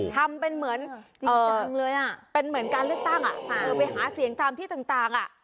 ทำเป็นเหมือนเป็นเหมือนการเลือกตั้งอ่ะไปหาเสียงทำที่ต่างอ่ะ